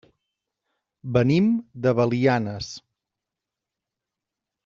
Venim de Belianes.